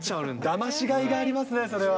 だましがいがありますね、それは。